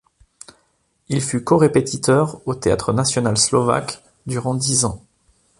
Il fut corépétiteur au théâtre national slovaque durant dix ans.